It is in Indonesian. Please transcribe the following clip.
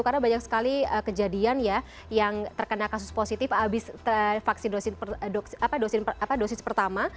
karena banyak sekali kejadian ya yang terkena kasus positif abis vaksin dosis pertama